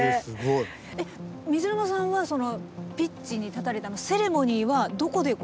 水沼さんはピッチに立たれたセレモニーはどこでご覧に。